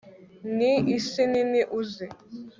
Ni isi nini uzi